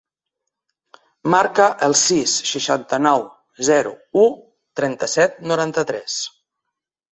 Marca el sis, seixanta-nou, zero, u, trenta-set, noranta-tres.